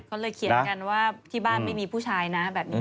เพราะที่บ้านไม่มีผู้ชายนะ